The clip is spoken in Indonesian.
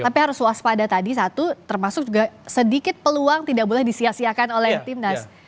tapi harus waspada tadi satu termasuk juga sedikit peluang tidak boleh disiasiakan oleh timnas